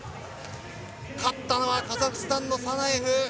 勝ったはカザフスタンのサナエフ。